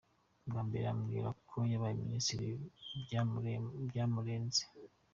Bwa mbere abwira ko yabaye minisitiri byaramurenze.